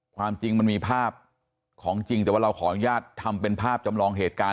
ความจริงมันมีภาพของจริงแต่ว่าเราขออนุญาตทำเป็นภาพจำลองเหตุการณ์